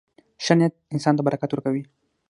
• ښه نیت انسان ته برکت ورکوي.